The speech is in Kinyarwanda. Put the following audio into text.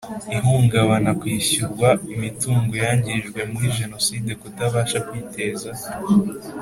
Ihungabana kwishyurwa imitungo yangijwe muri Jenoside kutabasha kwiteza